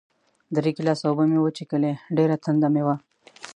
درې ګیلاسه اوبه مې وڅښلې، ډېره تنده مې وه.